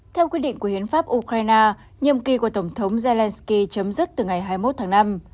theo quyết định của hiến pháp ukraine nhiệm kỳ của tổng thống zelenskyy chấm dứt từ ngày hai mươi một tháng năm